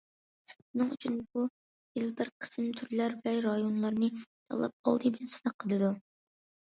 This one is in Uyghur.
بۇنىڭ ئۈچۈن، بۇ يىل بىر قىسىم تۈرلەر ۋە رايونلارنى تاللاپ، ئالدى بىلەن سىناق قىلىدۇ.